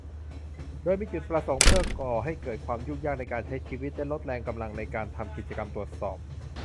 โดยมีจุดประสงค์เพื่อก่อให้เกิดความยุ่งยากในการใช้ชีวิต และลดแรงกำลังในการทำกิจกรรมตรวจสอบ